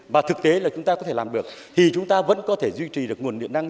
và thực tế là chúng ta có thể làm được thì chúng ta vẫn có thể duy trì được nguồn điện năng